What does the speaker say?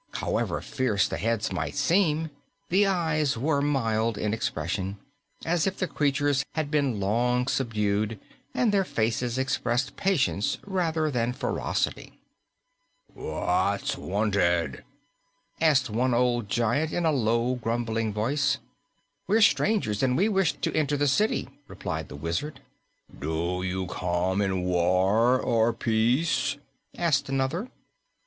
However fierce the heads might seem, the eyes were mild in expression, as if the creatures had been long subdued, and their faces expressed patience rather than ferocity. "What's wanted?" asked one old giant in a low, grumbling voice. "We are strangers, and we wish to enter the city," replied the Wizard. "Do you come in war or peace?" asked another.